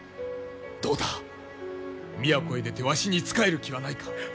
どうだ都へ出てわしに仕える気はないか？